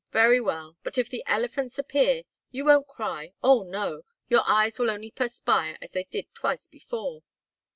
very well! But if the elephants appear, you won't cry, oh no! Your eyes will only perspire as they did twice before."